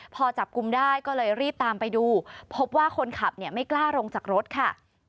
พอจับกลุ่มได้ก็เลยรีบตามไปดูพบว่าคนขับไม่กล้าลงจากรถค่ะ